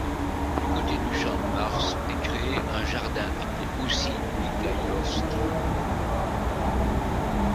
Du côté du champ de Mars est créé un jardin appelé aussi Mikhaïlovski.